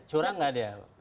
curang gak dia